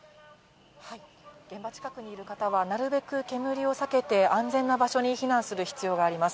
現場近くにいる方は、なるべく煙を避けて、安全な場所に避難する必要があります。